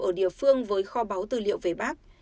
ở địa phương với kho báu tư liệu về bác